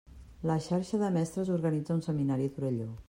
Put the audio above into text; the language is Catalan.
La xarxa de mestres organitza un seminari a Torelló.